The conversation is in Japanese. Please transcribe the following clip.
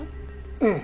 ええ。